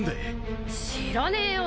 知らねえよ。